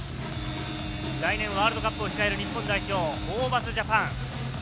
来年ワールドカップを控える日本代表、ホーバスＪＡＰＡＮ。